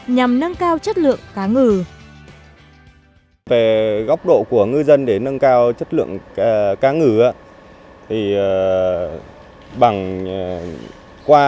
nhằm nâng cao chất lượng cá ngừ